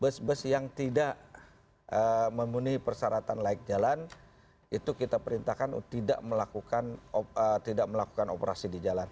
bus bus yang tidak memenuhi persyaratan layak jalan itu kita perintahkan untuk tidak melakukan tidak melakukan operasi di jalan